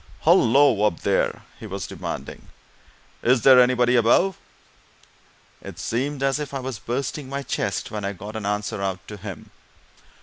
"Hullo, up there!" he was demanding. "Is there anybody above?" It seemed as if I was bursting my chest when I got an answer out to him.